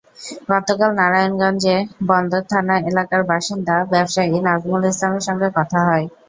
গতকাল নারায়ণগঞ্জের বন্দর থানা এলাকার বাসিন্দা ব্যবসায়ী নাজমুল ইসলামের সঙ্গে কথা হয়।